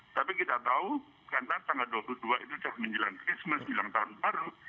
tapi kita tahu karena tanggal dua puluh dua itu menjelang christmas menjelang tahun baru